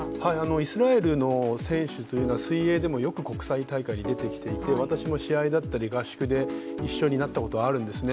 イスラエルの選手というのは水泳でもよく国際大会に出てきていて、私も試合だったり合宿で一緒になったことあるんですね。